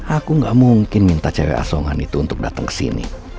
aku gak mungkin minta cewek asongan itu untuk datang ke sini